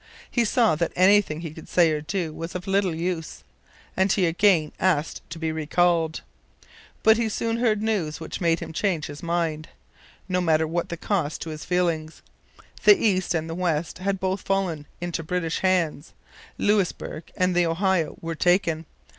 He saw that anything he could say or do was of little use; and he again asked to be recalled. But he soon heard news which made him change his mind, no matter what the cost to his feelings. The east and the west had both fallen into British hands. Louisbourg and the Ohio were taken.